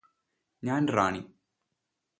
ഞാന് റാണി